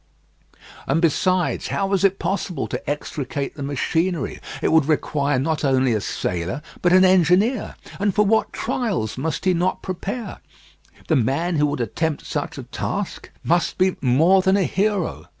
And besides, how was it possible to extricate the machinery? It would require not only a sailor, but an engineer; and for what trials must he not prepare. The man who would attempt such a task must be more than a hero.